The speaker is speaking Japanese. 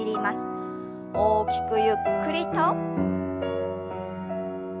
大きくゆっくりと。